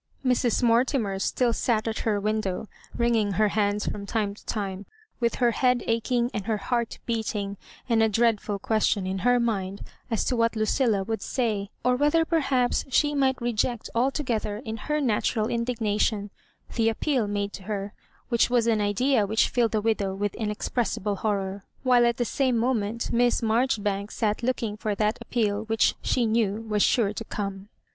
Mra Mortimer stUl sat at her window, wringing her hands from time to time, with her head ach ing and her heart beating, and a dreadful ques tion in her mind as to what Lucilla would say, or whether perhaps she might reject altogether, in her natural indignation, the appeal made to her ; which was an idea which filled the widow with inexpressible horror. While at the same moment Miss Marjoribanks sat looking for that appeal which she knew was sure to come.